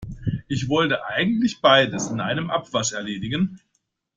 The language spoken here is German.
Ich wollte eigentlich beides in einem Abwasch erledigen.